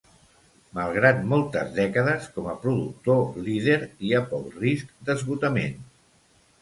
Malgrat moltes dècades com a productor líder, hi ha poc risc d'esgotament.